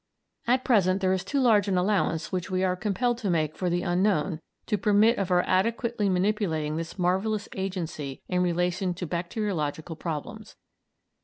At present there is too large an allowance, which we are compelled to make, for the unknown to permit of our adequately manipulating this marvellous agency in relation to bacteriological problems.